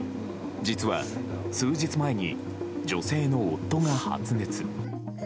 実は数日前に女性の夫が発熱。